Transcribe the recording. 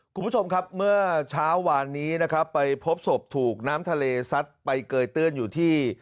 คุณผู้ชมครับเมื่อเช้าวานนี้นะครับไปพบศพถูกน้ำทะเลซัดไปเกยตื้นอยู่ที่